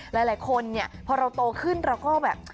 หลายคนเนี่ยพอเราโตขึ้นเราก็แบบ